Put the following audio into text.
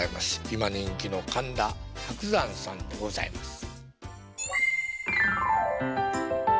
今人気の神田伯山さんでございます。